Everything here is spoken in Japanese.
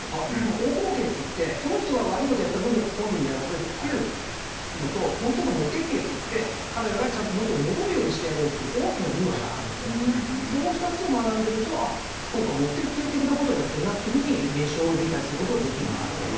応報刑っていってその人が悪い事やった分だけ本人にやらせるっていうのともう一つは目的刑っていって彼らがちゃんと元に戻るようにしてやろうっていう大きな流派があるんでその２つを学んでるとあっそうか目的刑的な事をやってるなっていうふうに現象を理解する事ができるんですかね。